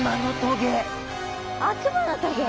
悪魔の棘！？